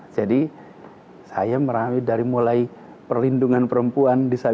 jadi saya meraih dari mulai perlindungan perempuan di sekolah